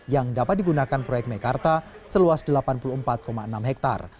yang dapat digunakan proyek mekarta seluas delapan puluh empat enam hektare